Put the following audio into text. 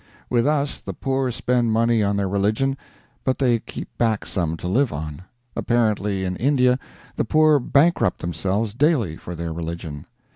With us the poor spend money on their religion, but they keep back some to live on. Apparently, in India, the poor bankrupt themselves daily for their religion.